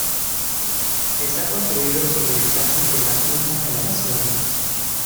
Está construido sobre el chasis de la quinta generación.